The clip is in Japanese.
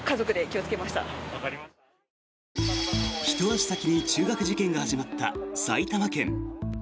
ひと足先に中学受験が始まった埼玉県。